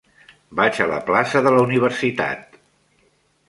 Vaig a la plaça de la Universitat.